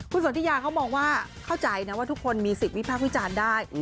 คุณสนทิยาเขามองว่าเข้าใจนะว่าทุกคนมีสิทธิ์วิพากษ์วิจารณ์ได้